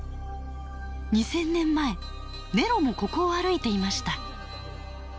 ２千年前ネロもここを歩いていました。